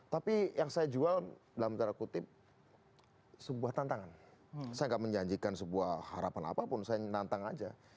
tapi yang saya jual dalam cara kutip sebuah tantangan saya gak menjanjikan sebuah harapan apapun saya nantang aja